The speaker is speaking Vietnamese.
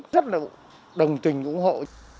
rất là đồng tình ủng hộ